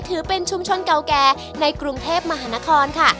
ถือเป็นชุมชนเก่าแก่ในกรุงเทพมหานครค่ะ